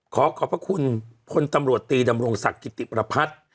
ขอขอบพระคุณพลตำรวจตีดำรงศักดิ์กิติประพัฒน์